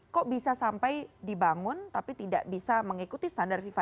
kok bisa sampai dibangun tapi tidak bisa mengikuti standar fifa